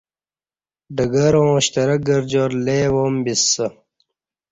ڈگراں شترک گرجار لی وام بیسہ